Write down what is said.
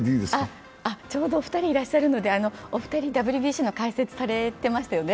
ちょうど２人いますのでお二人ＷＢＣの解説されてましたよね